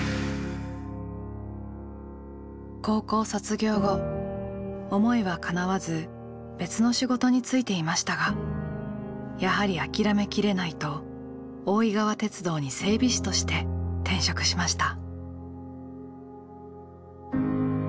高校卒業後思いはかなわず別の仕事に就いていましたがやはり諦めきれないと大井川鉄道に整備士として転職しました。